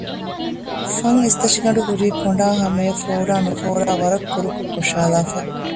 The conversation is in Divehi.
ފަން އިސްތަށިގަނޑު ހުރީ ކޮނޑާ ހަމަޔަށް ފޯރާ ނުފޯރާ ވަރަށް ކުރުކޮށް ކޮށައިލައިފަ